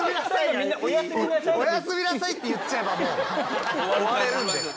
「おやすみなさい」って言っちゃえばもう終われるんで。